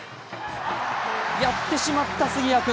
やってしまった杉谷君。